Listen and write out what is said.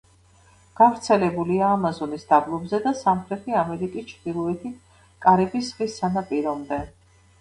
გავრცელებულია ამაზონის დაბლობზე და სამხრეთი ამერიკის ჩრდილოეთით კარიბის ზღვის სანაპირომდე.